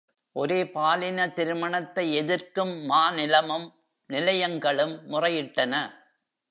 ஒரே-பாலின திருமணத்தை எதிர்க்கும் மாநிலமும் நிலையங்களும் முறையிட்டன.